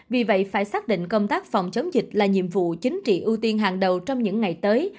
vì vậy phải xác định công tác phòng chống dịch là nhiệm vụ chính trị ưu tiên hàng đầu trong những ngày tới